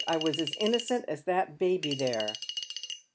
I was as innocent as that baby there."